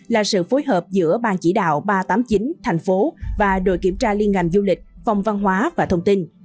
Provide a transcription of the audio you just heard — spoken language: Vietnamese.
là sự phối hợp giữa bang chỉ đạo ba trăm tám mươi chín thành phố và đội kiểm tra liên ngành du lịch phòng văn hóa và thông tin